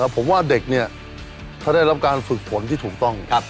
ผมว่าเด็กเนี่ยถ้าได้รับการฝึกฝนที่ถูกต้อง